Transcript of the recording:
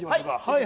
はい。